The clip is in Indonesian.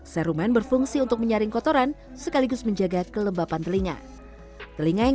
serumen berfungsi untuk menyaring kotoran sekaligus menjaga kelembapan telinga telinga yang